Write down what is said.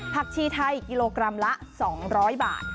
ชีไทยกิโลกรัมละ๒๐๐บาท